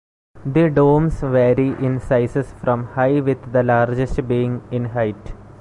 The domes vary in sizes from high with the largest being in height.